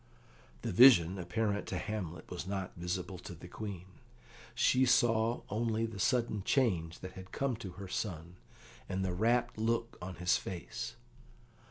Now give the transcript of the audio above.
The vision, apparent to Hamlet, was not visible to the Queen. She only saw the sudden change that had come to her son, and the rapt look on his face.